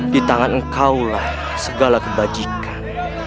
di tangan engkau lah segala kebajikan